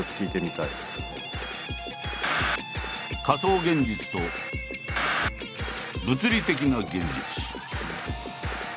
仮想現実と物理的な現実。